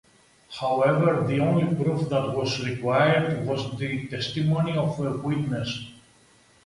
However, the only proof that was required was the testimony of a witness.